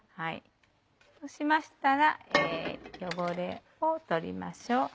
そうしましたら汚れを取りましょう。